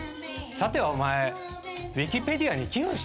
さてはお前。